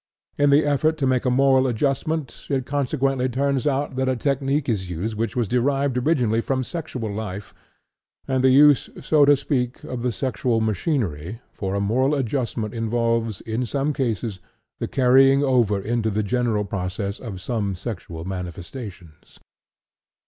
In the effort to make a moral adjustment it consequently turns out that a technique is used which was derived originally from sexual life, and the use, so to speak, of the sexual machinery for a moral adjustment involves, in some cases, the carrying over into the general process of some sexual manifestations."